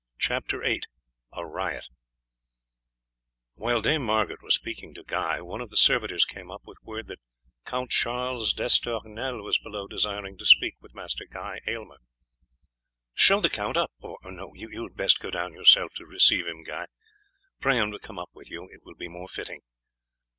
CHAPTER VIII A RIOT While Dame Margaret was speaking to Guy, one of the servitors came up with word that Count Charles d'Estournel was below desiring to speak with Master Guy Aylmer. "Show the count up. Or no, you had best go down yourself to receive him, Guy. Pray him to come up with you; it will be more fitting."